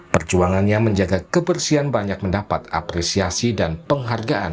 perjuangannya menjaga kebersihan banyak mendapat apresiasi dan penghargaan